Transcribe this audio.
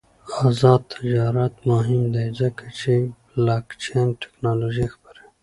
آزاد تجارت مهم دی ځکه چې بلاکچین تکنالوژي خپروي.